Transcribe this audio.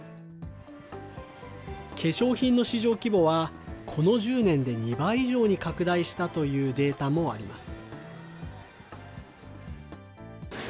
化粧品の市場規模は、この１０年で２倍以上に拡大したというデータもあります。